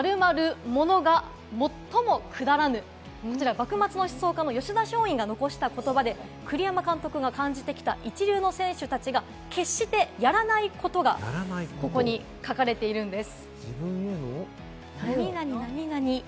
幕末の思想家・吉田松陰が残した言葉で、栗山監督が感じてきた一流の選手たちが、決してやらないことがここに書かれているんです。